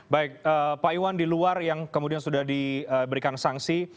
baik pak iwan di luar yang kemudian sudah diberikan sanksi